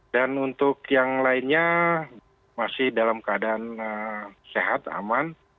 dan untuk yang lainnya masih dalam keadaan sehat aman